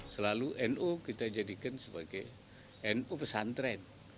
selalu nu kita jadikan sebagai nu pesantren